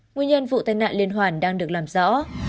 nguyên nhân vụ tai nạn liên hoàn đang được làm rõ